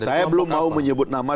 saya belum mau menyebut nama